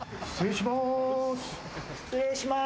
失礼します。